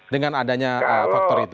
dengan adanya faktor itu